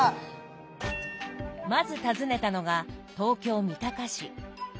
まず訪ねたのが東京・三鷹市。